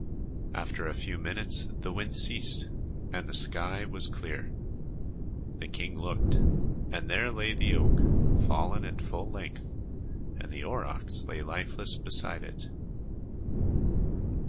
After a few minutes, the wind ceased and the sky was clear. The king looked and there lay the oak, fallen at full length, and the aurochs lay lifeless beside it.